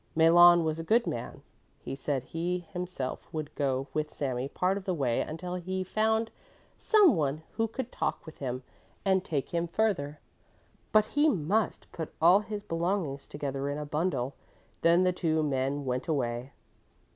Malon was a good man; he said he himself would go with Sami part of the way until he found some one who could talk with him and take him further; but he must put all his belongings together in a bundle. Then the two men went away.